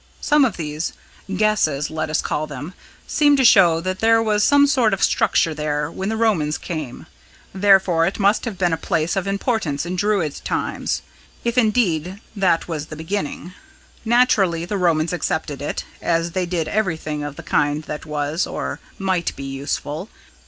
Some of these guesses, let us call them seem to show that there was some sort of structure there when the Romans came, therefore it must have been a place of importance in Druid times if indeed that was the beginning. Naturally the Romans accepted it, as they did everything of the kind that was, or might be, useful.